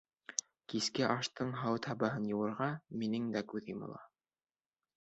Киске аштың һауыт-һабаһын йыуыуға, минең дә күҙ йомола.